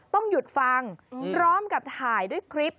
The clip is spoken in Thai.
ต้องหยุดฟังพร้อมกับถ่ายด้วยคลิป